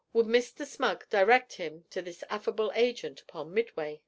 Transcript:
Would Mr. Smug direct him to this affable agent upon Midway?